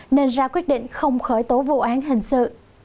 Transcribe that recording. nên ra quyết định không khởi tố vụ án hình sự